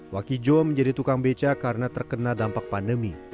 wakijo menjadi tukang beca karena terkena dampak pandemi